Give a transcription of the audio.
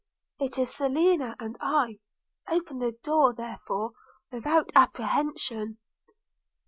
It is Selina and I – open the door therefore without apprehension.'